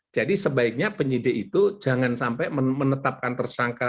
jadi sebaiknya penyidik itu jangan sampai menetapkan tersangka